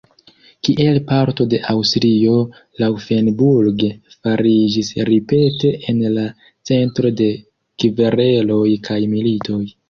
Kiel parto de Aŭstrio Laufenburg fariĝis ripete en la centro de kvereloj kaj militoj.